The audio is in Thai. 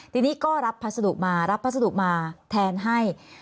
ทีนี้ก็รับพัสดุมารับพัสดุมาแทนให้